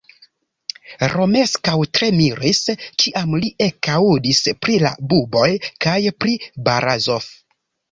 Romeskaŭ tre miris, kiam li ekaŭdis pri la buboj kaj pri Barazof.